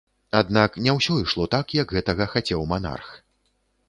Аднак, не ўсё ішло так, як гэтага хацеў манарх.